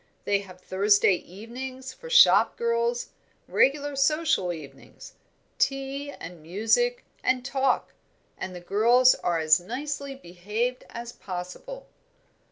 They have Thursday evenings for shop girls, regular social evenings tea, and music, and talk; and the girls are as nicely behaved as possible."